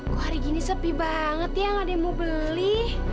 kok hari gini sepi banget ya gak ada yang mau beli